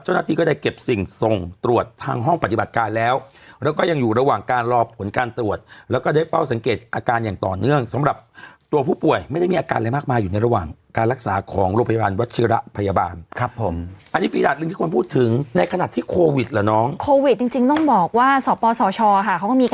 เจ้าหน้าที่ก็ได้เก็บสิ่งส่งตรวจทางห้องปฏิบัติการแล้วแล้วก็ยังอยู่ระหว่างการรอผลการตรวจแล้วก็ได้เฝ้าสังเกตอาการอย่างต่อเนื่องสำหรับตัวผู้ป่วยไม่ได้มีอาการอะไรมากมายอยู่ในระหว่างการรักษาของโรงพยาบาลวัชิระพยาบาลครับผมอันนี้ฟีดาตหนึ่งที่ควรพูดถึงในขณะที่โควิดเหรอน้องโควิดจริงจริงต้องบอกว่าสปสชค่ะเขาก็มีก